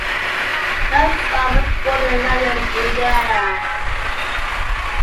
Nussbaum was born in Marion, Indiana.